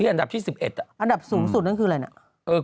อันดับสูงสุดนั้นคืออะไรครับ